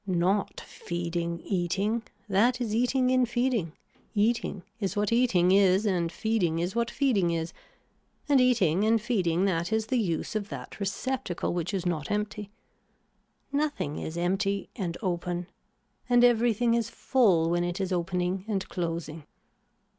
Not feeding eating, that is eating in feeding, eating is what eating is and feeding is what feeding is and eating and feeding that is the use of that receptacle which is not empty. Nothing is empty and open and everything is full when it is opening and closing.